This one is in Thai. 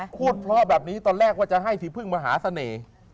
พูดเพราะแบบนี้ตอนแรกว่าจะให้สีพึ่งมหาเสน่ห์